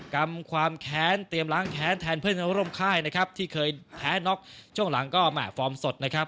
กรรมความแค้นเตรียมล้างแค้นแทนเพื่อนร่วมค่ายนะครับที่เคยแพ้น็อกช่วงหลังก็แห่ฟอร์มสดนะครับ